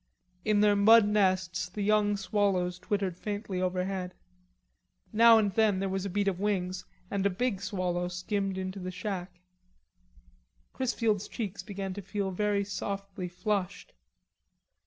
In their mud nests the young swallows twittered faintly overhead. Now and then there was a beat of wings and a big swallow skimmed into the shack. Chrisfield's cheeks began to feel very softly flushed.